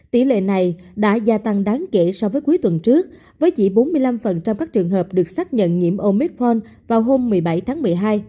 tỷ lệ này đã gia tăng đáng kể so với cuối tuần trước với chỉ bốn mươi năm các trường hợp được xác nhận nhiễm omicron vào hôm một mươi bảy tháng một mươi hai